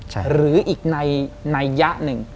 หรืออีกในยะหนึ่ง